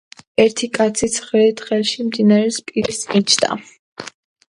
ერთი კაცი ცხრილით ხელში მდინარისა პირას იჯდა